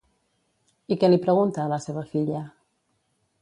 I què li pregunta a la seva filla?